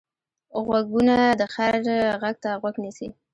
غوږونه د خیر غږ ته غوږ نیسي